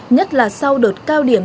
nhất là sau đợt cao điểm